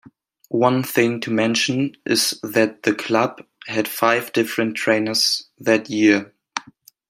One thing to mention is that the club had five different trainers that year.